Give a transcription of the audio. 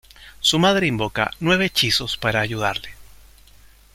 Su madre invoca nueve hechizos para ayudarle.